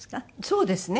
そうですね。